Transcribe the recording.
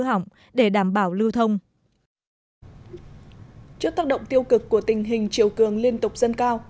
hỏng để đảm bảo lưu thông trước tác động tiêu cực của tình hình chiều cường liên tục dâng cao